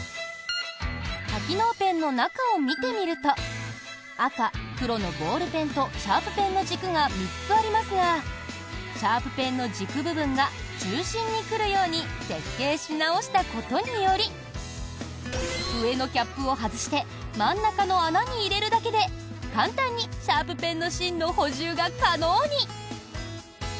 多機能ペンの中を見てみると赤、黒のボールペンとシャープペンの軸が３つありますがシャープペンの軸部分が中心に来るように設計し直したことにより上のキャップを外して真ん中の穴に入れるだけで簡単にシャープペンの芯の補充が可能に。